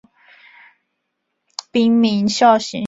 滨名孝行。